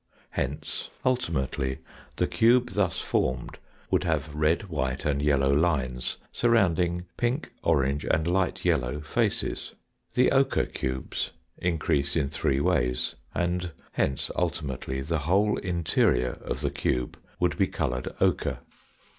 Hence, ultimately the cube 142 THE FOURTH DIMENSION Null Null Null thus formed would have red, white, and yellow lines surrounding pink, orange, and light yellow faces. The ochre cubes increase in three ways, and hence ulti mately the whole interior of the cube would be coloured ochre.